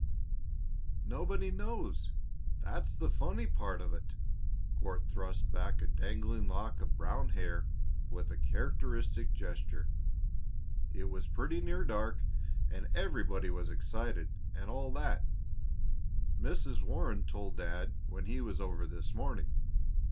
"Nobody knows; that's the funny part of it." Court thrust back a dangling lock of brown hair with a characteristic gesture. "It was pretty near dark, and everybody was excited, and all that, Mrs. Warren told Dad when he was over this morning.